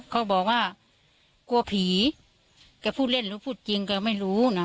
เขาบอกว่ากลัวผีแกพูดเล่นหรือพูดจริงแกไม่รู้นะ